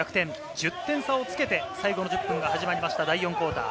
１０点差をつけて最後の１０分が始まりました、第４クオーター。